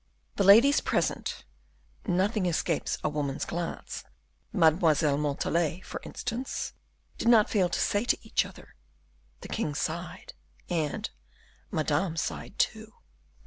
The ladies present nothing escapes a woman's glance Mademoiselle Montalais, for instance did not fail to say to each other, "the king sighed," and "Madame sighed too."